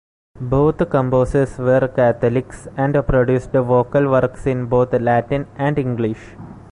Both composers were Catholics and produced vocal works in both Latin and English.